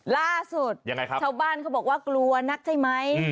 ล่าสุดชาวบ้านเขาบอกว่ากลัวนักใช่ไหม